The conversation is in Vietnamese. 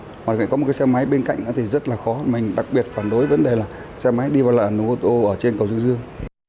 hoặc là có một cái xe máy bên cạnh thì rất là khó mình đặc biệt phản đối vấn đề là xe máy đi vào làn ô tô ở trên cầu trương dương